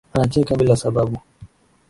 Anacheka bila sababu